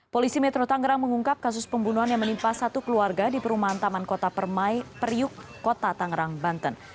polisi metro tangerang mengungkap kasus pembunuhan yang menimpa satu keluarga di perumahan taman kota permai periuk kota tangerang banten